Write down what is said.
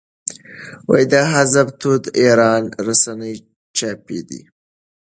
د حزب توده ایران رسنۍ چاپېدې.